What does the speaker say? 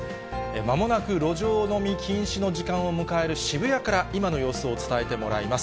まもなく路上飲み禁止の時間を迎える渋谷から、今の様子を伝えてもらいます。